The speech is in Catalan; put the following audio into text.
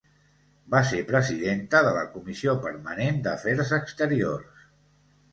Va ser presidenta de la comissió permanent d'afers exteriors.